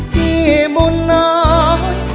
ที่บุญน้อย